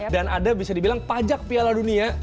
dan ada bisa dibilang pajak piala dunia